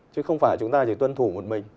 chứ không phải chúng ta chỉ tuân thủ một mình